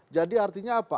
jadi artinya apa